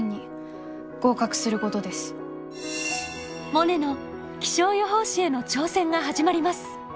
モネの気象予報士への挑戦が始まります！